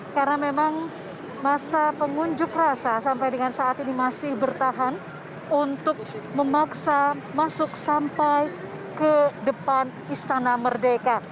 karena memang masa pengunjuk rasa sampai dengan saat ini masih bertahan untuk memaksa masuk sampai ke depan istana merdeka